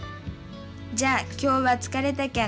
じゃあ今日は疲れたけん